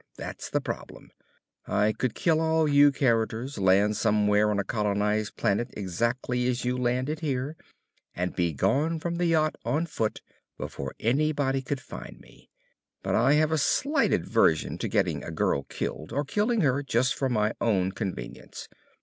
That's the problem! I could kill all you characters, land somewhere on a colonized planet exactly as you landed here, and be gone from the yacht on foot before anybody could find me! But I have a slight aversion to getting a girl killed or killing her just for my own convenience.